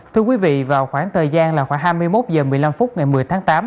thưa quý vị vào khoảng thời gian là khoảng hai mươi một h một mươi năm phút ngày một mươi tháng tám